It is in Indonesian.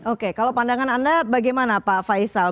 oke kalau pandangan anda bagaimana pak faisal